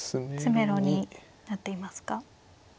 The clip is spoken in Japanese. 詰めろになっていますか。